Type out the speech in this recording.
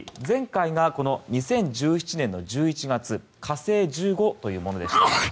前回が２０１７年の１１月火星１５というものでした。